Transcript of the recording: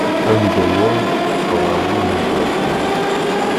Ad ndewweṛ ɣer win i d-ṛebbant.